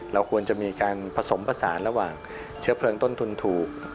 เราควรจะมีการผสมผสานระหว่างเชื้อเพลิงต้นทุนถูก